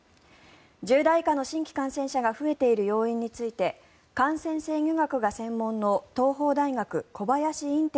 １０代以下の新規感染者が増えている要因について感染制御学が専門の東邦大学、小林寅